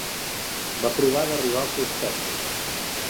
Va provar d'arribar als seus peus.